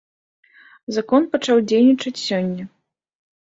Закон пачаў дзейнічаць сёння.